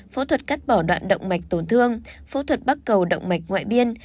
phẫu thuật cắt bỏ đoạn động mạch tổn thương phẫu thuật bắt cầu động mạch ngoại biên